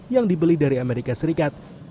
yang dibeli dari amerika serikat